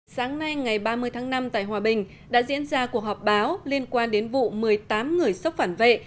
sáng nay ngày ba mươi tháng năm tại hòa bình đã diễn ra cuộc họp báo liên quan đến vụ một mươi tám người sốc phản vệ